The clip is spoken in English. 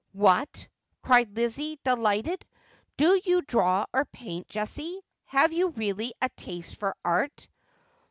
' What !' cried Lizzie, delighted, ' do you draw or paint, Jessie ? Have you really a taste for art